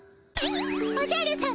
「おじゃるさま